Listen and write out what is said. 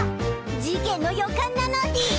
事件の予感なのでぃす。